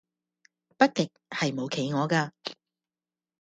北極係冇企鵝架